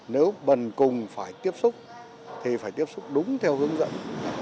nếu bần cùng phải tiếp xúc thì phải tiếp xúc đúng theo hướng dẫn